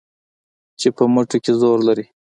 چې په مټو کې زور لري